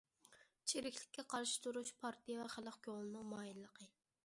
چىرىكلىككە قارشى تۇرۇش پارتىيە ۋە خەلق كۆڭلىنىڭ مايىللىقى.